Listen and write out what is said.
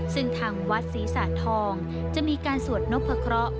ซึ่งทางวัดศรีสะทองจะมีการสวดนพะเคราะห์